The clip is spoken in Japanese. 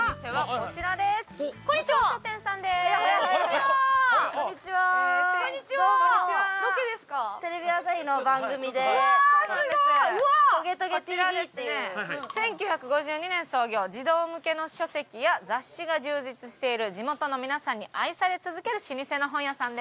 こちらはですね１９５２年創業児童向けの書籍や雑誌が充実している地元の皆さんに愛され続ける老舗の本屋さんです。